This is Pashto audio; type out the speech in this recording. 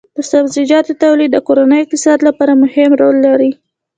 د سبزیجاتو تولید د کورني اقتصاد لپاره مهم رول لري.